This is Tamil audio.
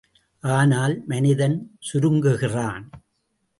ஆனால் மனிதன் சுருங்குகிறான்.